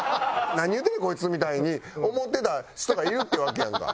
何言うてんねんこいつみたいに思ってた人がいるってわけやんか。